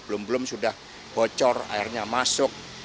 belum belum sudah bocor airnya masuk